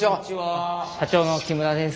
社長の木村です。